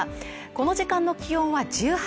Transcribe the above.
この時間の気温は１８